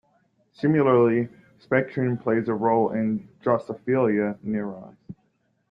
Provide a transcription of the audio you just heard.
Similarly, spectrin plays a role in "Drosophila" neurons.